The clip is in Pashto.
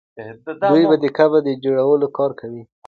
دوی به د قبر د جوړولو کار کوي.